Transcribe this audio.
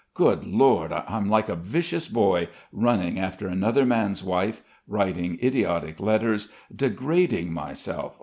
Good Lord, I'm like a vicious boy running after another man's wife, writing idiotic letters, degrading myself.